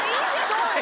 そうよ